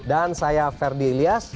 dan saya ferdi ilyas